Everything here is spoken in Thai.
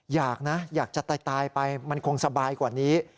อยากนะอยากจะตายไปมันคงสบายกว่านี้